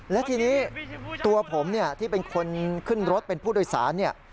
และทีนี้ตัวผมเนี่ยที่เป็นคนขึ้นรถเป็นผู้โดยสารเนี่ย